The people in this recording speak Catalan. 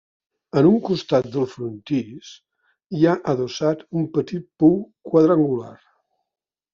En un costat del frontis hi ha adossat un petit pou quadrangular.